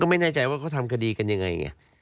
ไม่แน่ใจว่าเขาทำคดีกันยังไง